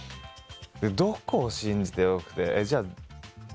どこを信じてよくてじゃ。